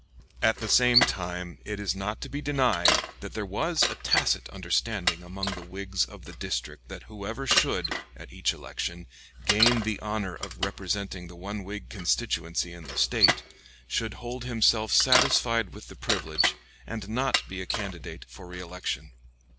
At the same time it is not to be denied that there was a tacit understanding among the Whigs of the district that whoever should, at each election, gain the honor of representing the one Whig constituency of the State, should hold himself satisfied with the privilege, and not be a candidate for reelection.